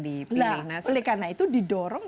dipilih oleh karena itu didorong